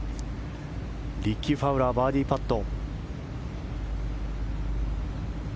リッキー・ファウラーバーディーパット。